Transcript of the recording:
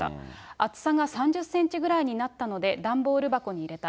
厚さが３０センチぐらいになったので、段ボール箱に入れた。